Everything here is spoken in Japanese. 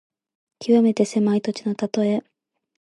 きわめて狭い土地のたとえ。